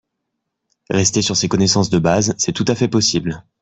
Rester sur ces connaissances de base, c'est tout à fait possible